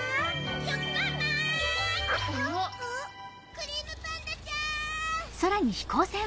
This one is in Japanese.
クリームパンダちゃん！